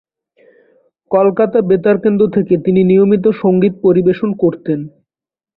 কলকাতা বেতার কেন্দ্র থেকে তিনি নিয়মিত সঙ্গীত পরিবেশন করতেন।